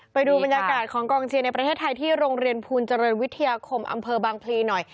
ไปดูบรรยากาศของกองเชียร์ในประเทศไทยที่โรงเรียนภูลเจริญวิทยาคมอำเภอบางพลีหน่อย